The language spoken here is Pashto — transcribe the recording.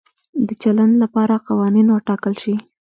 د چلند لپاره قوانین وټاکل شي.